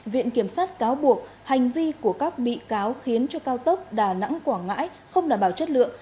viện kiểm sát cáo buộc hành vi của các bị cáo khiến cho cao tốc đà nẵng quảng ngãi không đảm bảo chất lượng